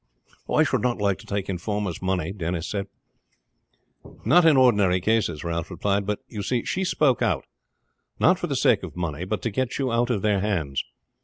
"I should not like to take informer's money," Denis said. "Not in ordinary cases," Ralph replied. "But you see she spoke out, not for the sake of money, but to get you out of their hands.